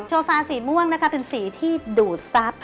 โซฟาสีม่วงนะคะเป็นสีที่ดูดซับ